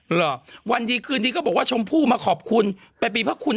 หรอวันยิคื่อนี้ก็บอกว่าชมพู่มาขอบคุณแปะปีปลอดคุณ